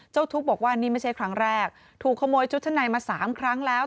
ทุกข์บอกว่านี่ไม่ใช่ครั้งแรกถูกขโมยชุดชั้นในมา๓ครั้งแล้ว